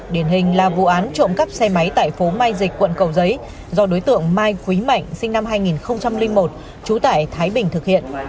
điển hình là vụ án trộm cắp xe máy tại phố mai dịch quận cầu giấy do đối tượng mai quý mạnh sinh năm hai nghìn một trú tại thái bình thực hiện